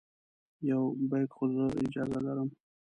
یو بیک خو زه اجازه لرم.